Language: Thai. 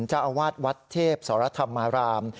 จ้าวาดวัดเทพศรษภรรธรรมาราม